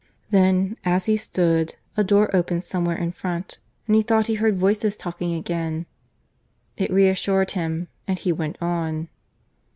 Then, as he stood, a door opened somewhere in front, and he thought he heard voices talking again. It reassured him, and he went on.